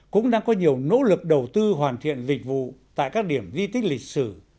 cũng đang có nhiều nỗ lực đầu tư hoàn thiện dịch vụ tại các điểm di tích lịch sử